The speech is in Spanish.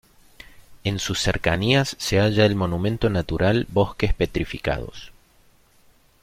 En sus cercanías se halla el monumento natural Bosques Petrificados.